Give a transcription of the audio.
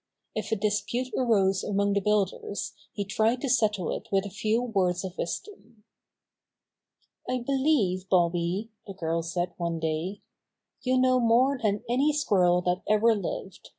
If a dispute arose among the builders he tried to settle it with a few words of wisdom. "I believe, Bobby," the girl said one day, "you know more than any squirrel that ever lived.